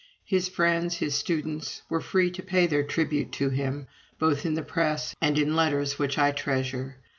His friends, his students, were free to pay their tribute to him, both in the press and in letters which I treasure.